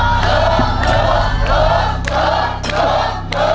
ถูกครับ